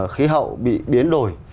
khí hậu bị biến đổi